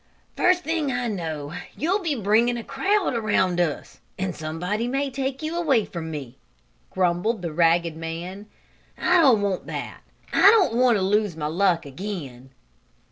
"First thing I know you'll be bringing a crowd around us, and somebody may take you away from me," grumbled the ragged man. "I don't want that. I don't want to lose my luck again."